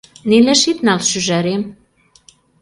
Нелеш ит нал, шӱжарем.